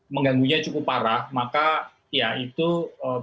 mengganggunya cukup parah maka ya itu perlu bantuan